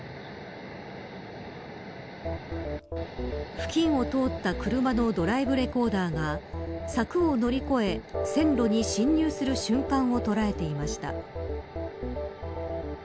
付近を通った車のドライブレコーダーが柵を乗り越え、線路に侵入する瞬間を捉えていました。